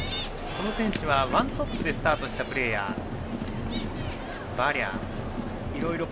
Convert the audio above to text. この選手はワントップでスタートしたプレーヤーです。